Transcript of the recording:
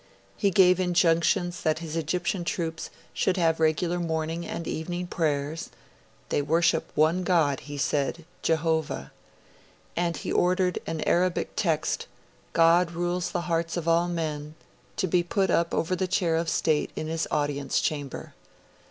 He gave injunctions that his Egyptian troops should have regular morning and evening prayers; 'they worship one God,' he said, 'Jehovah.' And he ordered an Arabic text, 'God rules the hearts of all men', to be put up over the chair of state in his audience chamber.